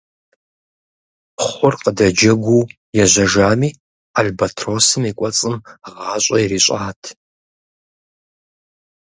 Хъур къыдэджэгуу ежьэжами, албатросым и кӀуэцӀым гъащӀэ ирищӀат.